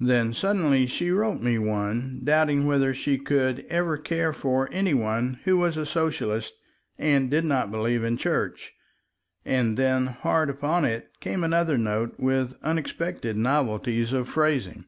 Then suddenly she wrote me one doubting whether she could ever care for any one who was a Socialist and did not believe in Church, and then hard upon it came another note with unexpected novelties of phrasing.